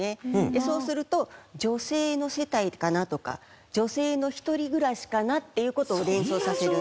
そうすると女性の世帯かなとか女性の一人暮らしかなっていう事を連想させるんです。